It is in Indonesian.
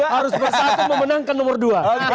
harus bersatu memenangkan nomor dua